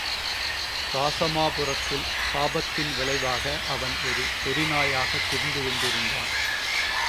இராசமாபுரத்தில் சாபத்தின் விளைவாக அவன் ஒரு சொரிநாயாகத் திரிந்து கொண்டிருந்தான்.